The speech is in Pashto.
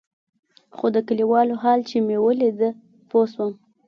خو د كليوالو حال چې مې ولېد پوه سوم.